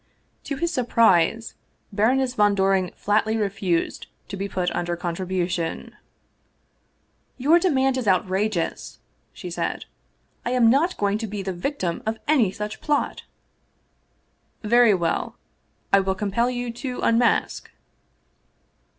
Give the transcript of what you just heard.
To his surprise Baroness von Doring flatly refused to be put under contribution. " Your demand is outrageous," she said. " I am not going to be the victim of any such plot !"" Very well, I will compel you to unmask?"